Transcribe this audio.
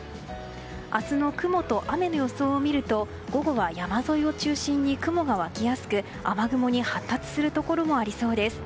明日の雲と雨の予想を見ると午後は山沿いを中心に雲が湧きやすく雨雲に発達するところもありそうです。